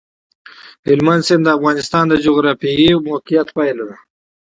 هلمند سیند د افغانستان د جغرافیایي موقیعت پایله ده.